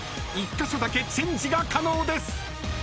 ［１カ所だけチェンジが可能です］